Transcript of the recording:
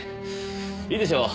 いいでしょう。